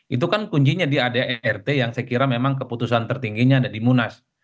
itu kan kuncinya di adart yang saya kira memang keputusan tertingginya ada di munas